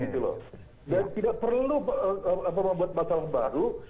tidak perlu membuat masalah baru